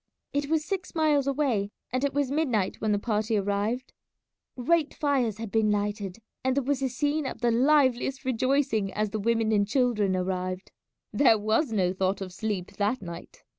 It was six miles away, and it was midnight when the party arrived. Great fires had been lighted, and there was a scene of the liveliest rejoicing as the women and children arrived. There was no thought of sleep that night.